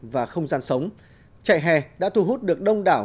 và không gian sống chạy hè đã thu hút được đông đảo